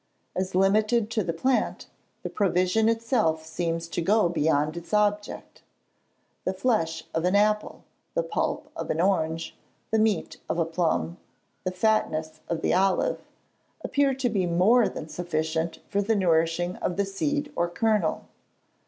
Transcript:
As limited to the plant, the provision itself seems to go beyond its object. The flesh of an apple, the pulp of an orange, the meat of a plum, the fatness of the olive, appear to be more than sufficient for the nourishing of the seed or kernel.